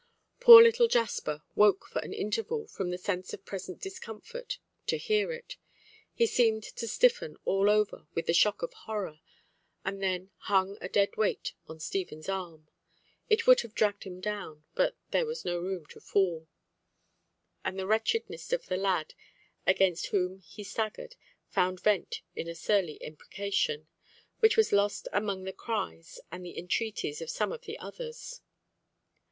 Poor little Jasper woke for an interval from the sense of present discomfort to hear it, he seemed to stiffen all over with the shock of horror, and then hung a dead weight on Stephen's arm. It would have dragged him down, but there was no room to fall, and the wretchedness of the lad against whom he staggered found vent in a surly imprecation, which was lost among the cries and the entreaties of some of the others.